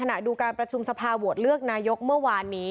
ดูการประชุมสภาโหวตเลือกนายกเมื่อวานนี้